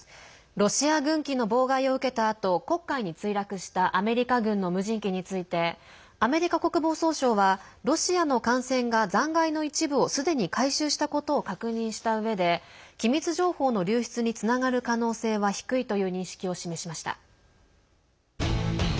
ロシア軍機の妨害を受けたあと黒海に墜落したアメリカ軍の無人機についてアメリカ国防総省はロシアの艦船が残骸の一部をすでに回収したことを確認したうえで機密情報の流出につながる可能性は低いという認識を示しました。